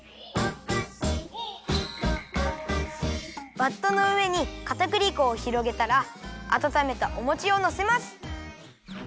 バットのうえにかたくり粉をひろげたらあたためたおもちをのせます。